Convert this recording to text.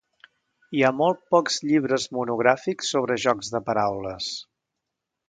Hi ha molt pocs llibres monogràfics sobre jocs de paraules.